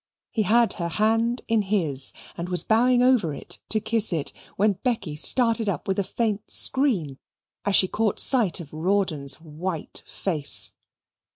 He had her hand in his, and was bowing over it to kiss it, when Becky started up with a faint scream as she caught sight of Rawdon's white face.